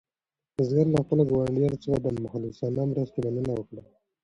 بزګر له خپلو ګاونډیانو څخه د مخلصانه مرستې مننه وکړه.